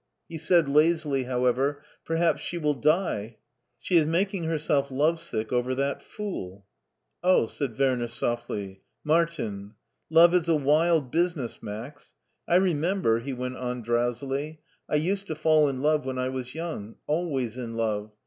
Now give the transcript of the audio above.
He said lazily, however : •'Perhaps she wiU die!'' She is making herself lovesick over that fool." Oh," said Werner softly, "Martin! Love is a wild business. Max. I remember," he went on, drow sily, "I used to fall in love when I was young. Always in love.